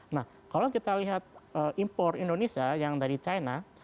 nah kalau kita lihat impor indonesia yang dari china